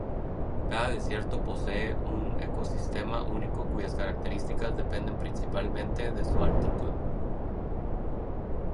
Cada desierto posee um ecosistema único cuyas características dependen principalmente de su altitud.